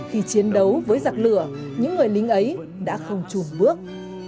khi chiến đấu với giặc lửa những người lính ấy đã không chùm bước